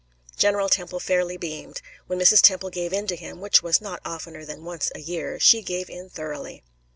General Temple fairly beamed. When Mrs. Temple gave in to him, which was not oftener than once a year, she gave in thoroughly.